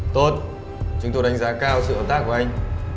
tốt chúng tôi đánh giá cao sự hợp tác của anh